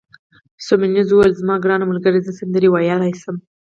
سیمونز وویل: زما ګرانه ملګرې، زه سندرې ویلای شم.